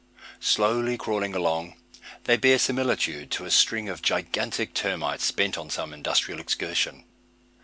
Slowly crawling along, they bear similitude to a string of gigantic termites bent on some industrial excursion.